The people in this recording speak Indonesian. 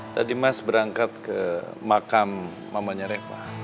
tadi mas berangkat ke makam mamanya reva